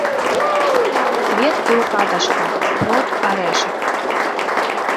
Кветкі ў каташках, плод арэшак.